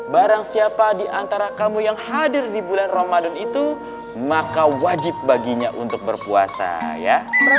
barangsiapa diantara kamu yang hadir di bulan ramadan itu maka wajib baginya untuk berpuasa ya